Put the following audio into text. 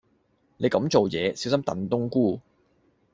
你咁做野，小心燉冬菇